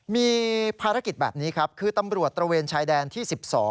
มีภารกิจแบบนี้ครับคือตำรวจตระเวนชายแดนที่๑๒